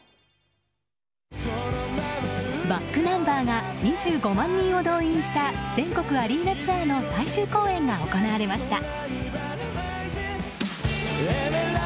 ｂａｃｋｎｕｍｂｅｒが２５万人を動員した全国アリーナツアーの最終公演が行われました。